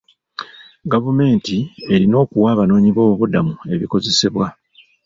Gavumenti erina okuwa abanoonyiboobubudamu ebikozesebwa.